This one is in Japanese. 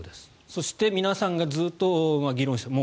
そして皆さんがずっと議論している